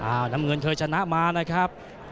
น้ำเงินเคยชนะมานะครับ